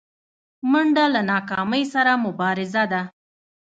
منډه له ناکامۍ سره مبارزه ده